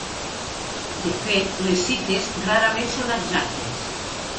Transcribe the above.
De fet, les cites rarament són exactes.